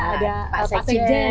ada pak sejen datang